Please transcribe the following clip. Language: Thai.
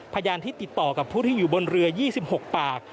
พยานที่ติดต่อกับผู้ที่อยู่บนเรือ๒๖ปาก